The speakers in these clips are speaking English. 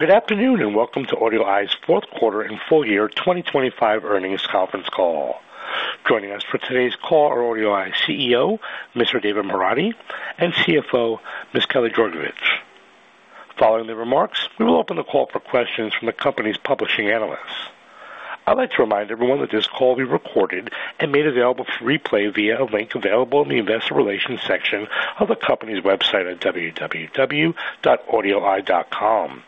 Good afternoon, and welcome to AudioEye's fourth quarter and full year 2025 earnings conference call. Joining us for today's call are AudioEye's CEO, Mr. David Moradi, and CFO, Ms. Kelly Georgevich. Following the remarks, we will open the call for questions from the company's publishing analysts. I'd like to remind everyone that this call will be recorded and made available for replay via a link available in the investor relations section of the company's website at www.audioeye.com.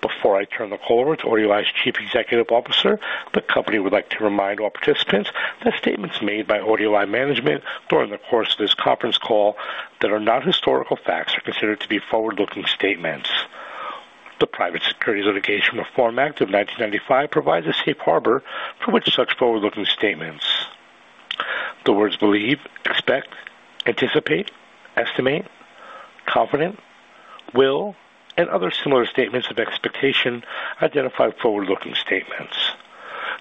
Before I turn the call over to AudioEye's Chief Executive Officer, the company would like to remind all participants that statements made by AudioEye management during the course of this conference call that are not historical facts are considered to be forward-looking statements. The Private Securities Litigation Reform Act of 1995 provides a safe harbor for which such forward-looking statements. The words believe, expect, anticipate, estimate, confident, will, and other similar statements of expectation identify forward-looking statements.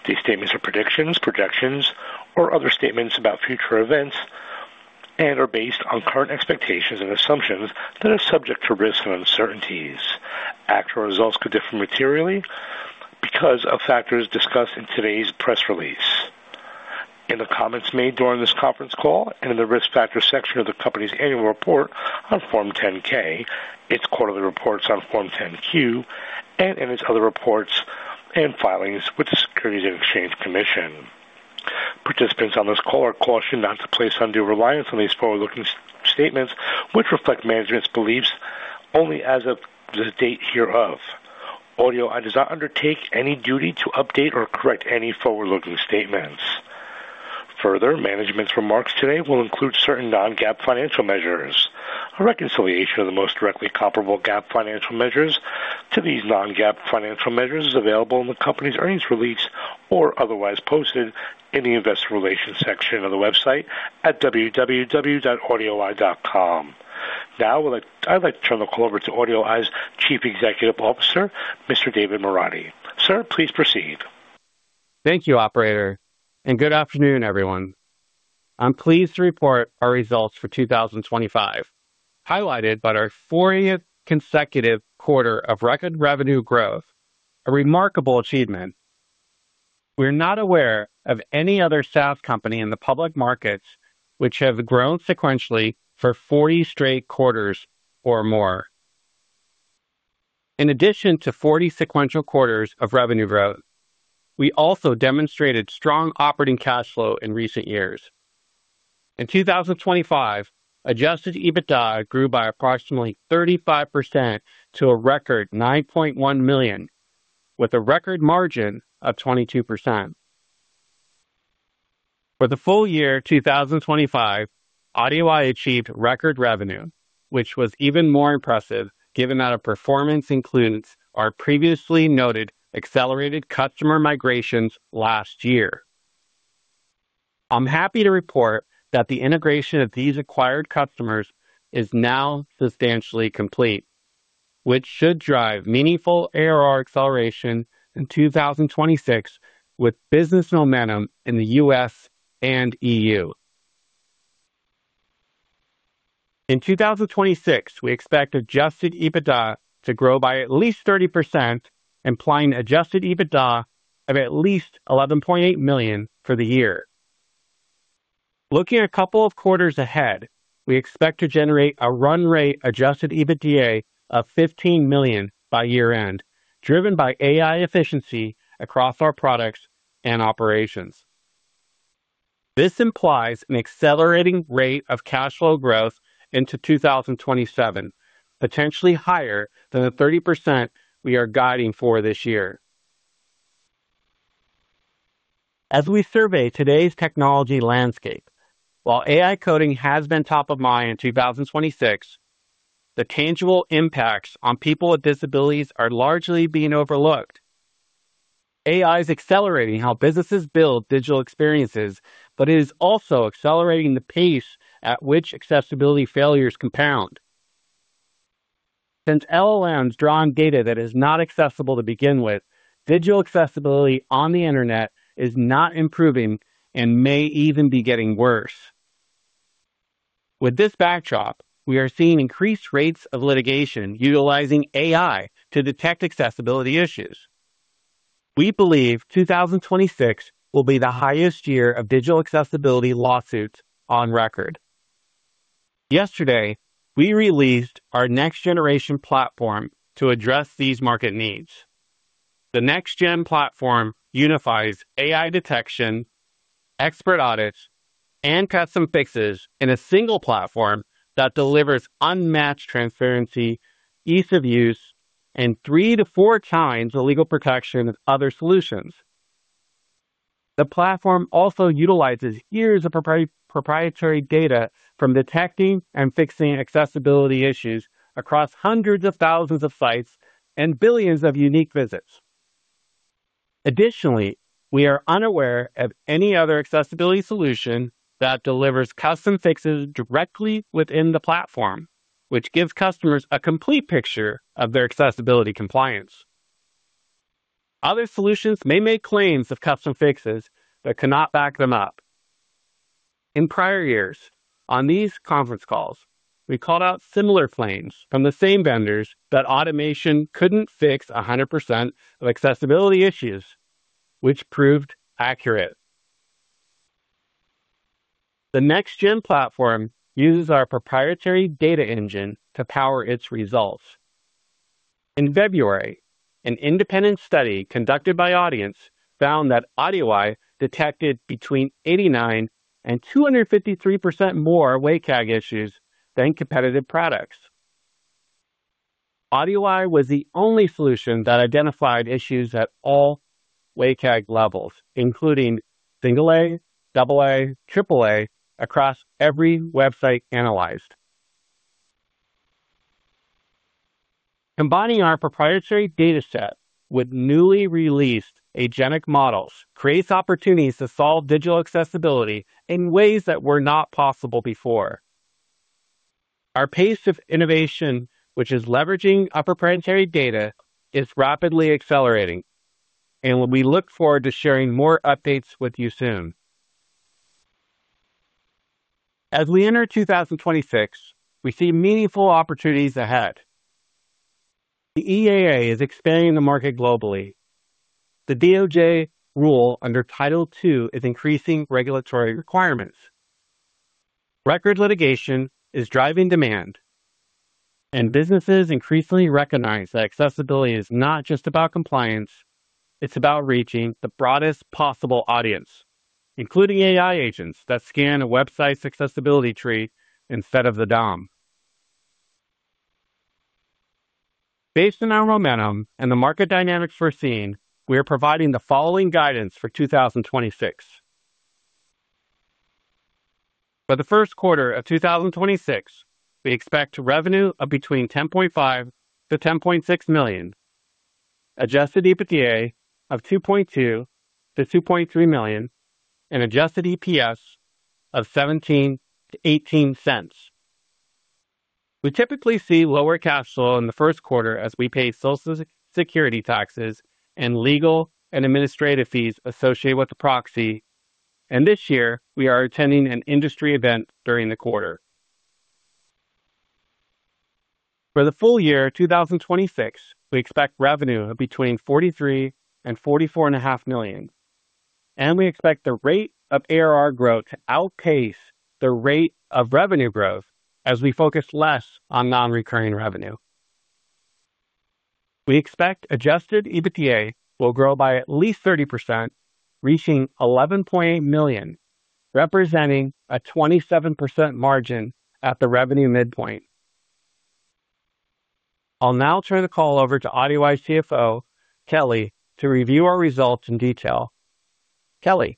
These statements are predictions, projections, or other statements about future events and are based on current expectations and assumptions that are subject to risks and uncertainties. Actual results could differ materially because of factors discussed in today's press release. In the comments made during this conference call and in the risk factor section of the company's annual report on Form 10-K, its quarterly reports on Form 10-Q, and in its other reports and filings with the Securities and Exchange Commission. Participants on this call are cautioned not to place undue reliance on these forward-looking statements, which reflect management's beliefs only as of the date hereof. AudioEye does not undertake any duty to update or correct any forward-looking statements. Management's remarks today will include certain non-GAAP financial measures. A reconciliation of the most directly comparable GAAP financial measures to these non-GAAP financial measures is available in the company's earnings release or otherwise posted in the investor relations section of the website at www.audioeye.com. I'd like to turn the call over to AudioEye's Chief Executive Officer, Mr. David Moradi. Sir, please proceed. Thank you, operator. Good afternoon, everyone. I'm pleased to report our results for 2025, highlighted by our 40th consecutive quarter of record revenue growth, a remarkable achievement. We're not aware of any other SaaS company in the public markets which have grown sequentially for 40 straight quarters or more. In addition to 40 sequential quarters of revenue growth, we also demonstrated strong operating cash flow in recent years. In 2025, adjusted EBITDA grew by approximately 35% to a record $9.1 million, with a record margin of 22%. For the full year 2025, AudioEye achieved record revenue, which was even more impressive given that our performance includes our previously noted accelerated customer migrations last year. I'm happy to report that the integration of these acquired customers is now substantially complete, which should drive meaningful ARR acceleration in 2026 with business momentum in the U.S. and E.U. In 2026, we expect adjusted EBITDA to grow by at least 30%, implying adjusted EBITDA of at least $11.8 million for the year. Looking a couple of quarters ahead, we expect to generate a run rate adjusted EBITDA of $15 million by year-end, driven by AI efficiency across our products and operations. This implies an accelerating rate of cash flow growth into 2027, potentially higher than the 30% we are guiding for this year. As we survey today's technology landscape, while AI coding has been top of mind in 2026, the tangible impacts on people with disabilities are largely being overlooked. AI is accelerating how businesses build digital experiences, but it is also accelerating the pace at which accessibility failures compound. Since LLMs draw on data that is not accessible to begin with, digital accessibility on the internet is not improving and may even be getting worse. With this backdrop, we are seeing increased rates of litigation utilizing AI to detect accessibility issues. We believe 2026 will be the highest year of digital accessibility lawsuits on record. Yesterday, we released our next generation platform to address these market needs. The next gen platform unifies AI detection, expert audits, and custom fixes in a single platform that delivers unmatched transparency, ease of use, and 3-4x the legal protection of other solutions. The platform also utilizes years of proprietary data from detecting and fixing accessibility issues across hundreds of thousands of sites and billions of unique visits. We are unaware of any other accessibility solution that delivers custom fixes directly within the platform, which gives customers a complete picture of their accessibility compliance. Other solutions may make claims of custom fixes but cannot back them up. In prior years on these conference calls, we called out similar claims from the same vendors that automation couldn't fix 100% of accessibility issues, which proved accurate. The next-gen platform uses our proprietary data engine to power its results. In February, an independent study conducted by Adience found that AudioEye detected between 89% and 253% more WCAG issues than competitive products. AudioEye was the only solution that identified issues at all WCAG levels, including A, AA, AAA across every website analyzed. Combining our proprietary dataset with newly released agentic models creates opportunities to solve digital accessibility in ways that were not possible before. Our pace of innovation, which is leveraging our proprietary data, is rapidly accelerating, and we look forward to sharing more updates with you soon. As we enter 2026, we see meaningful opportunities ahead. The EAA is expanding the market globally. The DOJ rule under Title II is increasing regulatory requirements. Record litigation is driving demand. Businesses increasingly recognize that accessibility is not just about compliance, it's about reaching the broadest possible audience, including AI agents that scan a website's accessibility tree instead of the DOM. Based on our momentum and the market dynamics we're seeing, we are providing the following guidance for 2026. For the first quarter of 2026, we expect revenue of between $10.5 million-$10.6 million, adjusted EBITDA of $2.2 million-$2.3 million, and adjusted EPS of $0.17-$0.18. We typically see lower cash flow in the first quarter as we pay Social Security taxes and legal and administrative fees associated with the proxy. This year we are attending an industry event during the quarter. For the full year 2026, we expect revenue of between $43 million and $44.5 million, and we expect the rate of ARR growth to outpace the rate of revenue growth as we focus less on non-recurring revenue. We expect adjusted EBITDA will grow by at least 30%, reaching $11.8 million, representing a 27% margin at the revenue midpoint. I'll now turn the call over to AudioEye CFO, Kelly, to review our results in detail. Kelly.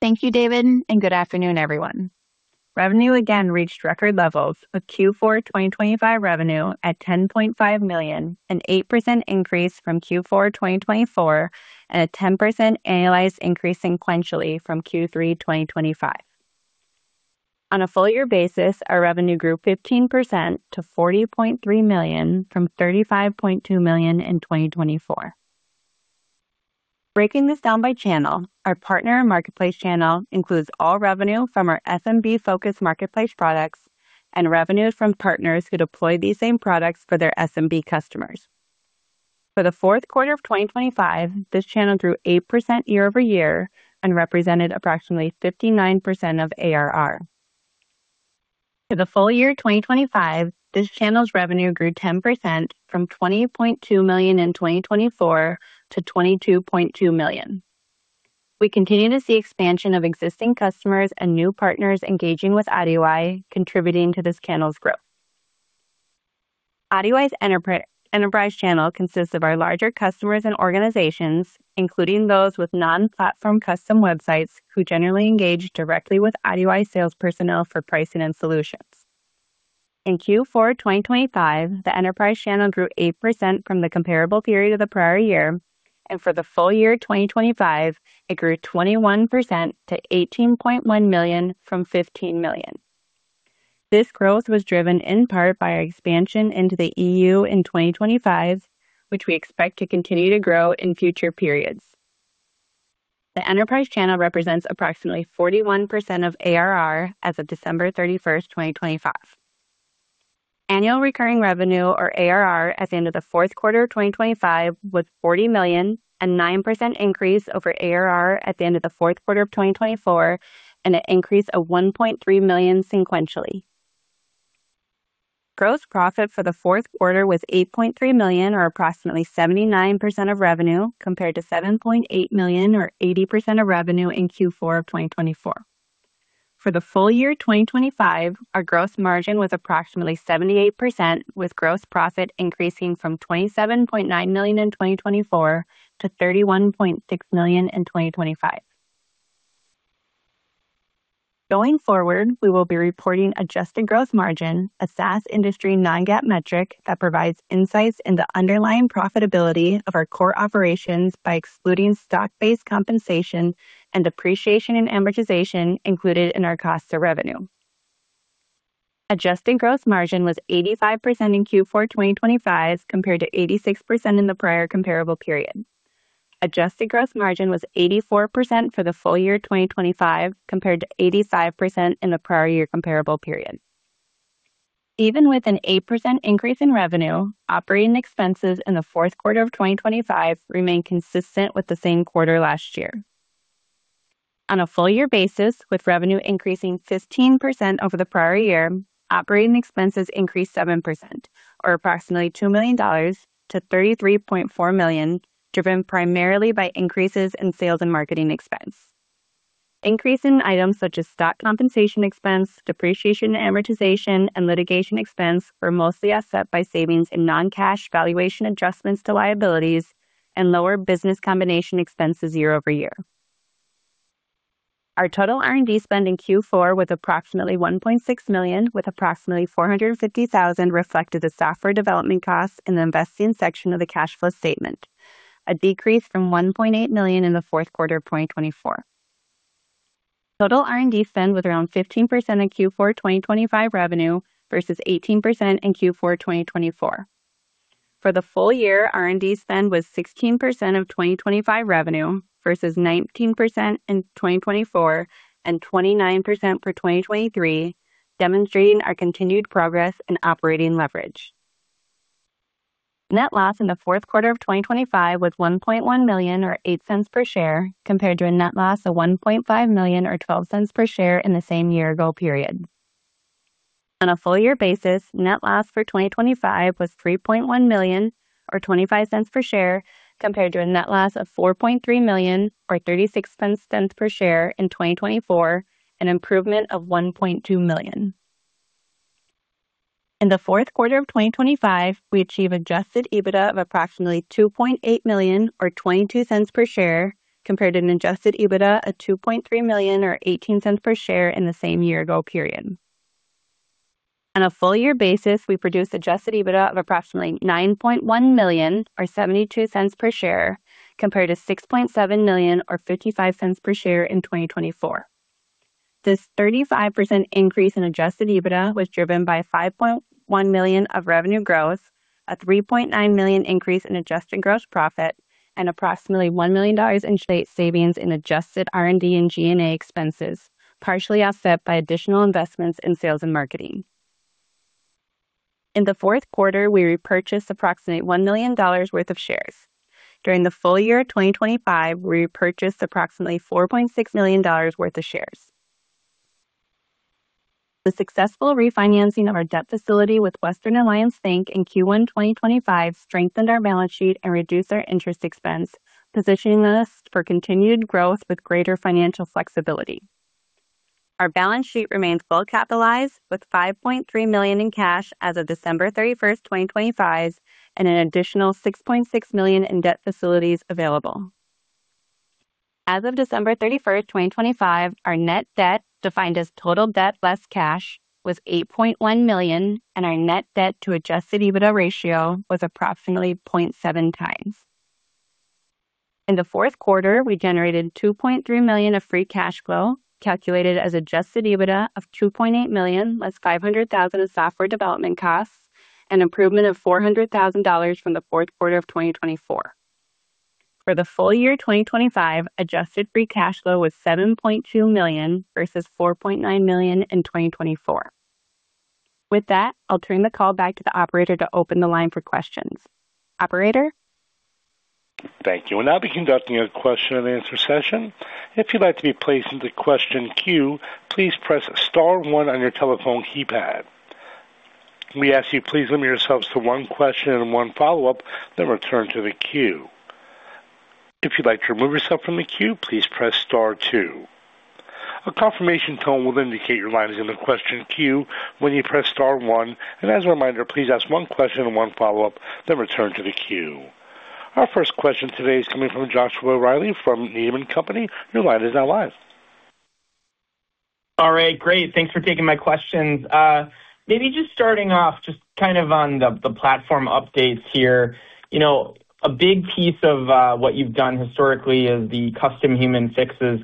Thank you, David, and good afternoon, everyone. Revenue again reached record levels with Q4 2025 revenue at $10.5 million, an 8% increase from Q4 2024 and a 10% annualized increase sequentially from Q3 2025. On a full year basis, our revenue grew 15% to $40.3 million from $35.2 million in 2024. Breaking this down by channel. Our partner and marketplace channel includes all revenue from our SMB-focused marketplace products and revenues from partners who deploy these same products for their SMB customers. For the fourth quarter of 2025, this channel grew 8% year-over-year and represented approximately 59% of ARR. For the full year 2025, this channel's revenue grew 10% from $20.2 million in 2024 to $22.2 million. We continue to see expansion of existing customers and new partners engaging with AudioEye contributing to this channel's growth. AudioEye's Enterprise channel consists of our larger customers and organizations, including those with non-platform custom websites who generally engage directly with AudioEye sales personnel for pricing and solutions. In Q4 2025, the enterprise channel grew 8% from the comparable period of the prior year, and for the full year 2025, it grew 21% to $18.1 million from $15 million. This growth was driven in part by our expansion into the E.U. in 2025, which we expect to continue to grow in future periods. The enterprise channel represents approximately 41% of ARR as of December 31st, 2025. Annual recurring revenue, or ARR, at the end of the fourth quarter of 2025 was $40 million, a 9% increase over ARR at the end of the fourth quarter of 2024 and an increase of $1.3 million sequentially. Gross profit for the fourth quarter was $8.3 million or approximately 79% of revenue, compared to $7.8 million or 80% of revenue in Q4 of 2024. For the full year 2025, our gross margin was approximately 78%, with gross profit increasing from $27.9 million in 2024 to $31.6 million in 2025. Going forward, we will be reporting adjusted gross margin, a SaaS industry non-GAAP metric that provides insights in the underlying profitability of our core operations by excluding stock-based compensation and depreciation and amortization included in our cost of revenue. Adjusted gross margin was 85% in Q4 2025 compared to 86% in the prior comparable period. Adjusted gross margin was 84% for the full year 2025 compared to 85% in the prior year comparable period. Even with an 8% increase in revenue, operating expenses in the fourth quarter of 2025 remained consistent with the same quarter last year. On a full year basis, with revenue increasing 15% over the prior year, operating expenses increased 7% or approximately $2 million to $33.4 million, driven primarily by increases in sales and marketing expense. Increase in items such as stock compensation expense, depreciation, amortization, and litigation expense were mostly offset by savings in non-cash valuation adjustments to liabilities and lower business combination expenses year-over-year. Our total R&D spend in Q4 was approximately $1.6 million, with approximately $450,000 reflected as software development costs in the investing section of the cash flow statement, a decrease from $1.8 million in the fourth quarter of 2024. Total R&D spend was around 15% of Q4 2025 revenue versus 18% in Q4 2024. For the full year, R&D spend was 16% of 2025 revenue versus 19% in 2024 and 29% for 2023, demonstrating our continued progress in operating leverage. Net loss in the fourth quarter of 2025 was $1.1 million or $0.08 per share, compared to a net loss of $1.5 million or $0.12 per share in the same year ago period. On a full year basis, net loss for 2025 was $3.1 million or $0.25 per share, compared to a net loss of $4.3 million or $0.36 per share in 2024, an improvement of $1.2 million. In the fourth quarter of 2025, we achieved adjusted EBITDA of approximately $2.8 million or $0.22 per share, compared to an adjusted EBITDA of $2.3 million or $0.18 per share in the same year ago period. On a full year basis, we produced Adjusted EBITDA of approximately $9.1 million or $0.72 per share compared to $6.7 million or $0.55 per share in 2024. This 35% increase in adjusted EBITDA was driven by $5.1 million of revenue growth, a $3.9 million increase in adjusted Gross Profit and approximately $1 million in state savings in adjusted R&D and G&A expenses, partially offset by additional investments in sales and marketing. In the fourth quarter, we repurchased approximately $1 million worth of shares. During the full year of 2025, we repurchased approximately $4.6 million worth of shares. The successful refinancing of our debt facility with Western Alliance Bank in Q1 2025 strengthened our balance sheet and reduced our interest expense, positioning us for continued growth with greater financial flexibility. Our balance sheet remains well capitalized with $5.3 million in cash as of December 31, 2025, and an additional $6.6 million in debt facilities available. As of December 31, 2025, our net debt, defined as total debt less cash, was $8.1 million, and our net debt to adjusted EBITDA ratio was approximately 0.7 times. In the fourth quarter, we generated $2.3 million of free cash flow, calculated as adjusted EBITDA of $2.8 million, less $500,000 of software development costs, an improvement of $400,000 from the fourth quarter of 2024. For the full year 2025, adjusted free cash flow was $7.2 million versus $4.9 million in 2024. I'll turn the call back to the operator to open the line for questions. Operator? Thank you. We'll now be conducting a question and answer session. If you'd like to be placed into question queue, please press star one on your telephone keypad. We ask you please limit yourselves to one question and one follow-up, then return to the queue. If you'd like to remove yourself from the queue, please press star two. A confirmation tone will indicate your line is in the question queue when you press star one. As a reminder, please ask one question and one follow-up, then return to the queue. Our first question today is coming from Joshua Reilly from Needham & Company. Your line is now live. All right, great. Thanks for taking my questions. Maybe just starting off just kind of on the platform updates here. You know, a big piece of what you've done historically is the custom human fixes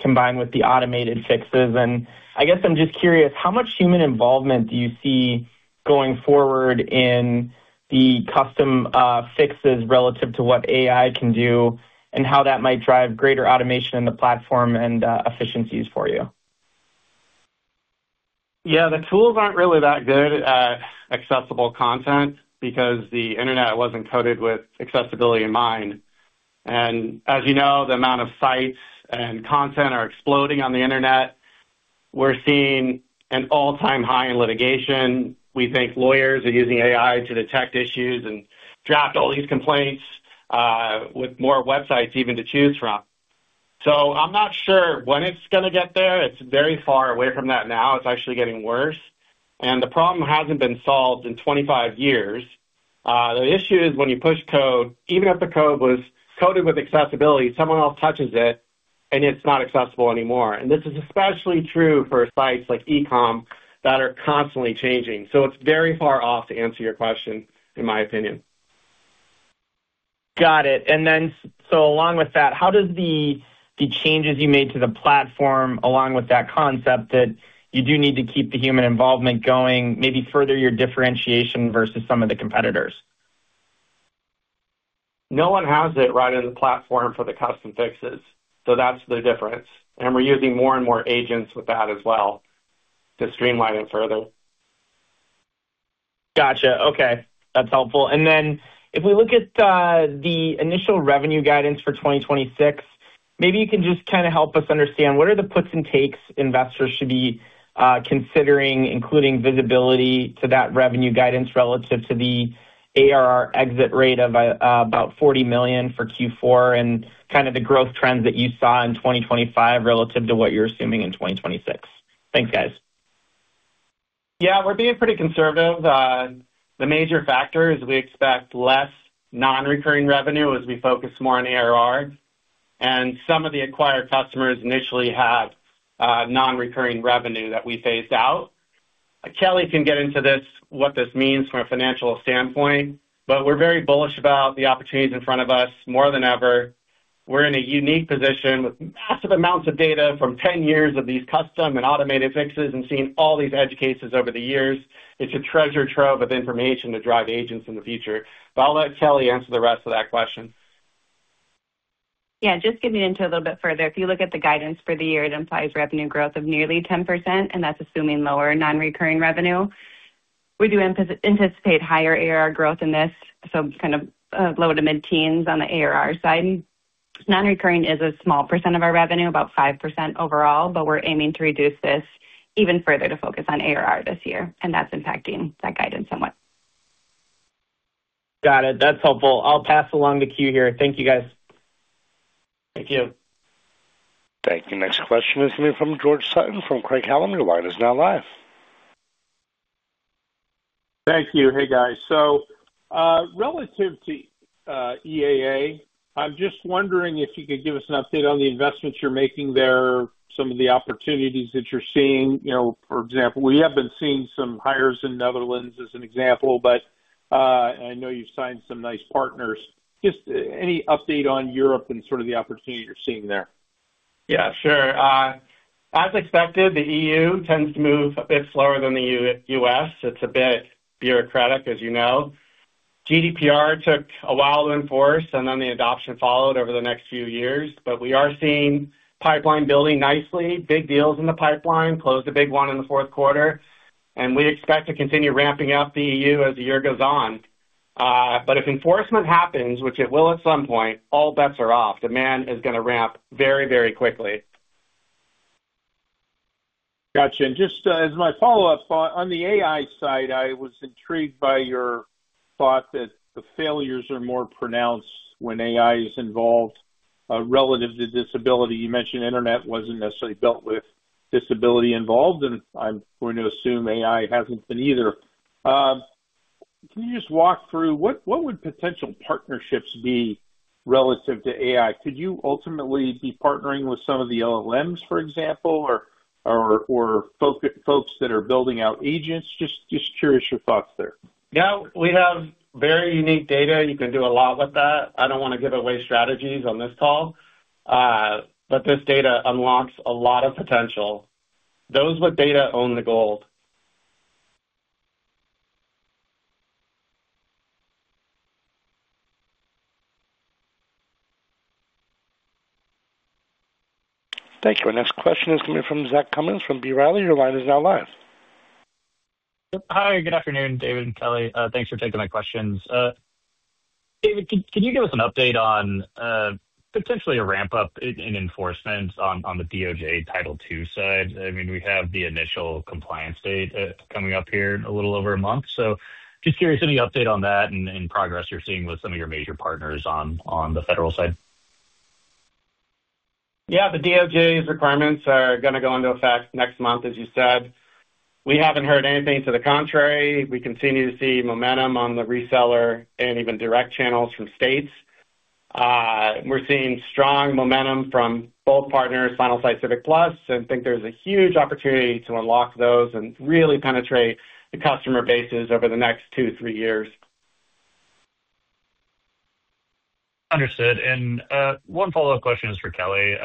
combined with the automated fixes. I guess I'm just curious, how much human involvement do you see going forward in the custom fixes relative to what AI can do and how that might drive greater automation in the platform and efficiencies for you? Yeah, the tools aren't really that good at accessible content because the internet wasn't coded with accessibility in mind. As you know, the amount of sites and content are exploding on the internet. We're seeing an all-time high in litigation. We think lawyers are using AI to detect issues and draft all these complaints with more websites even to choose from. I'm not sure when it's gonna get there. It's very far away from that now. It's actually getting worse. The problem hasn't been solved in 25 years. The issue is when you push code, even if the code was coded with accessibility, someone else touches it, and it's not accessible anymore. This is especially true for sites like e-commerce that are constantly changing. It's very far off to answer your question, in my opinion. Got it. Along with that, how does the changes you made to the platform along with that concept that you do need to keep the human involvement going, maybe further your differentiation versus some of the competitors? No one has it right in the platform for the custom fixes. That's the difference. We're using more and more agents with that as well to streamline it further. Got you. Okay, that's helpful. If we look at the initial revenue guidance for 2026, maybe you can just kind of help us understand what are the puts and takes investors should be considering, including visibility to that revenue guidance relative to the ARR exit rate of about $40 million for Q4 and kind of the growth trends that you saw in 2025 relative to what you're assuming in 2026? Thanks, guys. Yeah, we're being pretty conservative. The major factor is we expect less non-recurring revenue as we focus more on ARR. Some of the acquired customers initially have non-recurring revenue that we phased out. Kelly can get into this, what this means from a financial standpoint, but we're very bullish about the opportunities in front of us more than ever. We're in a unique position with massive amounts of data from 10 years of these custom and automated fixes and seeing all these edge cases over the years. It's a treasure trove of information to drive agents in the future. I'll let Kelly answer the rest of that question. Yeah, just getting into a little bit further. If you look at the guidance for the year, it implies revenue growth of nearly 10%. That's assuming lower non-recurring revenue. We do anticipate higher ARR growth in this, kind of low to mid-teens on the ARR side. Non-recurring is a small percent of our revenue, about 5% overall. We're aiming to reduce this even further to focus on ARR this year. That's impacting that guidance somewhat. Got it. That's helpful. I'll pass along the queue here. Thank you, guys. Thank you. Thank you. Next question is coming from George Sutton from Craig-Hallum. Your line is now live. Thank you. Hey, guys. Relative to EAA, I'm just wondering if you could give us an update on the investments you're making there, some of the opportunities that you're seeing. You know, for example, we have been seeing some hires in Netherlands as an example, but I know you've signed some nice partners. Just any update on Europe and sort of the opportunity you're seeing there? Yeah, sure. As expected, the E.U. tends to move a bit slower than the U.S. It's a bit bureaucratic, as you know. GDPR took a while to enforce, and then the adoption followed over the next few years. We are seeing pipeline building nicely. Big deals in the pipeline. Closed a big one in the fourth quarter, and we expect to continue ramping up the E.U. as the year goes on. If enforcement happens, which it will at some point, all bets are off. Demand is gonna ramp very, very quickly. Got you. Just, as my follow-up thought, on the AI side, I was intrigued by your thought that the failures are more pronounced when AI is involved, relative to disability. You mentioned internet wasn't necessarily built with disability involved, and I'm going to assume AI hasn't been either. Can you just walk through what would potential partnerships be relative to AI? Could you ultimately be partnering with some of the LLMs, for example, or folks that are building out agents? Just curious your thoughts there. Yeah. We have very unique data. You can do a lot with that. I don't wanna give away strategies on this call, this data unlocks a lot of potential. Those with data own the gold. Thank you. Our next question is coming from Zach Cummins from B. Riley. Your line is now live. Hi. Good afternoon, David and Kelly. Thanks for taking my questions. David, can you give us an update on potentially a ramp-up in enforcement on the DOJ Title II side? I mean, we have the initial compliance date coming up here in a little over a month. Just curious, any update on that and any progress you're seeing with some of your major partners on the federal side? Yeah. The DOJ's requirements are gonna go into effect next month, as you said. We haven't heard anything to the contrary. We continue to see momentum on the reseller and even direct channels from states. We're seeing strong momentum from both partners, Finalsite, CivicPlus, and think there's a huge opportunity to unlock those and really penetrate the customer bases over the next two, three years. Understood. One follow-up question is for Kelly.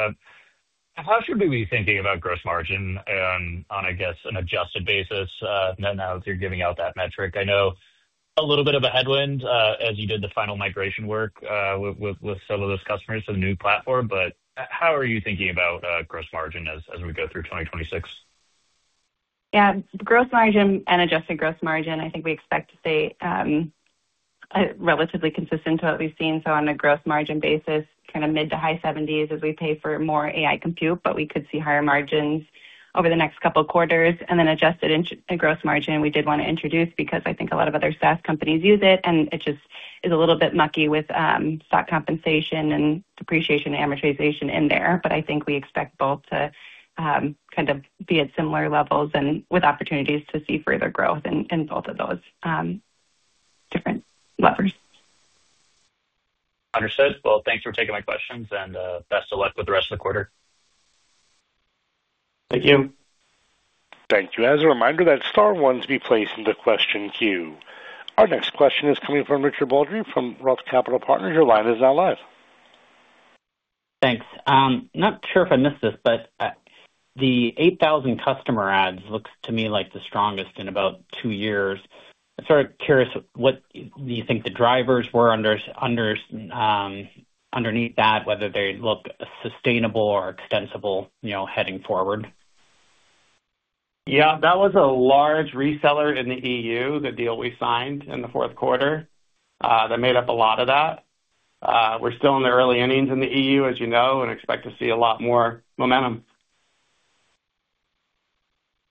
How should we be thinking about gross margin on I guess, an adjusted basis, now that you're giving out that metric? I know a little bit of a headwind, as you did the final migration work, with some of those customers to the new platform, but how are you thinking about gross margin as we go through 2026? Gross margin and adjusted gross margin, I think we expect to stay relatively consistent to what we've seen. On a gross margin basis, kinda mid-to-high 70s% as we pay for more AI compute, but we could see higher margins over the next couple quarters. Then adjusted gross margin we did wanna introduce because I think a lot of other SaaS companies use it, and it just is a little bit mucky with stock compensation and depreciation, amortization in there. I think we expect both to kinda be at similar levels and with opportunities to see further growth in both of those different levers. Understood. Well, thanks for taking my questions, and best of luck with the rest of the quarter. Thank you. Thank you. As a reminder, that star one's replaced in the question queue. Our next question is coming from Richard Baldry from Roth Capital Partners. Your line is now live. Thanks. Not sure if I missed this, but, the 8,000 customer adds looks to me like the strongest in about two years. Sort of curious what you think the drivers were underneath that, whether they look sustainable or extensible, you know, heading forward. Yeah, that was a large reseller in the E.U., the deal we signed in the fourth quarter, that made up a lot of that. We're still in the early innings in the E.U., as you know, and expect to see a lot more momentum.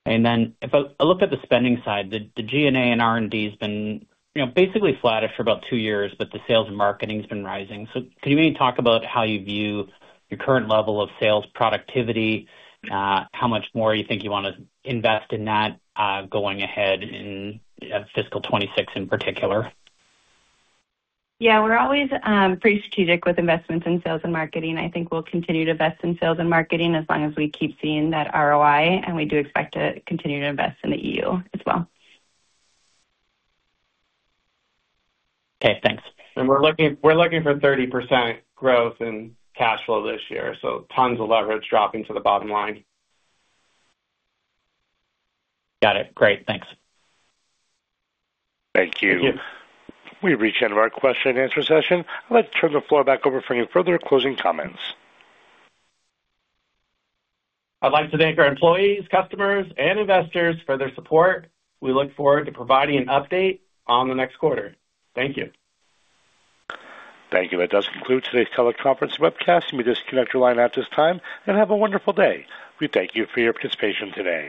If I look at the spending side, the G&A and R&D has been, you know, basically flatted for about two years, but the sales and marketing has been rising. Can you maybe talk about how you view your current level of sales productivity? How much more you think you wanna invest in that going ahead in fiscal 2026 in particular? Yeah, we're always pretty strategic with investments in sales and marketing. I think we'll continue to invest in sales and marketing as long as we keep seeing that ROI. We do expect to continue to invest in the E.U. as well. Okay, thanks. We're looking for 30% growth in cash flow this year. Tons of leverage dropping to the bottom line. Got it. Great. Thanks. Thank you. Thank you. We've reached the end of our question and answer session. I'd like to turn the floor back over for any further closing comments. I'd like to thank our employees, customers, and investors for their support. We look forward to providing an update on the next quarter. Thank you. Thank you. That does conclude today's teleconference webcast. You may disconnect your line at this time and have a wonderful day. We thank you for your participation today.